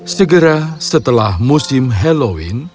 segera setelah musim halloween